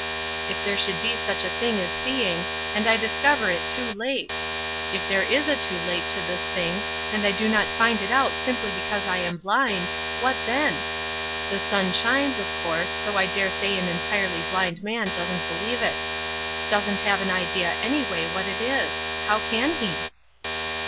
If there should be such a thing as seeing, and I discover it too late! If there is a too late to this thing, and I do not find it out simply because I am blind, what then? The sun shines, of course, though I dare say an entirely blind man doesn't believe it. Doesn't have an idea anyway what it is how can he?"